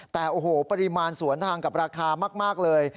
แต่โอ้โหปริมาณสวนทางกับราคามากเลย